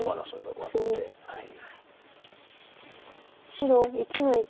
白１の一。